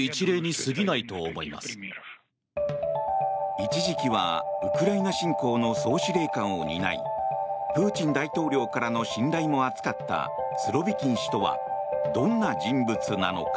一時期はウクライナ侵攻の総司令官を担いプーチン大統領からの信頼も厚かったスロビキン氏とはどんな人物なのか。